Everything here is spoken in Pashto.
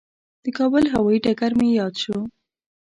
د کابل هوایي ډګر مې یاد شو.